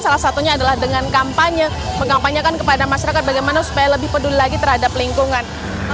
salah satunya adalah dengan kampanye mengkampanyekan kepada masyarakat bagaimana supaya lebih peduli lagi terhadap lingkungan